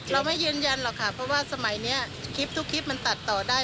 เราไม่ยืนยันหรอกค่ะเพราะว่าสมัยนี้คลิปทุกคลิปมันตัดต่อได้